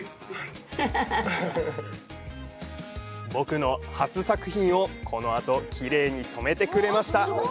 僕の初作品をこのあと、きれいに染めてくれました！